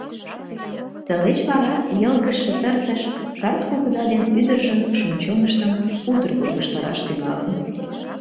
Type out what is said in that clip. Тылеч вара йылгыжше тыртыш карт кугыза ден ӱдыржын шӱм-чоныштым утыр вургыжтараш тӱҥалын.